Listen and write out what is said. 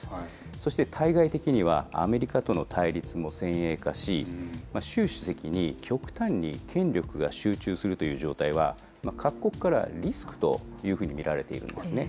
そして対外的には、アメリカとの対立も先鋭化し、習主席に極端に権力が集中するという状態は、各国からリスクというふうに見られているんですね。